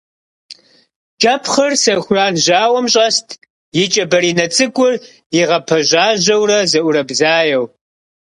КӀэпхъыр сэхуран жьауэм щӀэст, и кӀэ баринэ цӀыкӀур игъэпӀэжьажьэурэ зэӀурыбзаеу.